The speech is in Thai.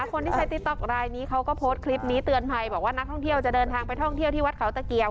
คนที่ใช้ติ๊กต๊อกรายนี้เขาก็โพสต์คลิปนี้เตือนภัยบอกว่านักท่องเที่ยวจะเดินทางไปท่องเที่ยวที่วัดเขาตะเกียบ